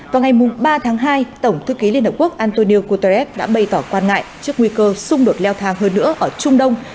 vào ngày ba tháng hai tổng thư ký liên hợp quốc antonio guterres đã bày tỏ quan ngại trước nguy cơ xung đột leo thang hơn nữa ở trung đông